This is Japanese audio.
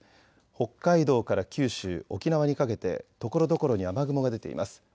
北海道から九州、沖縄にかけてところどころに雨雲が出ています。